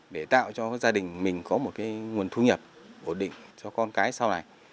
để tạo cho gia đình mình có một cái nguồn thu nhập ổn định cho con cái sau này